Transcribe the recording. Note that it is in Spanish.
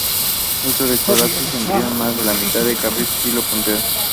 Fruto una cariopsis; embrión más de la mitad de la cariopsis; hilo punteado.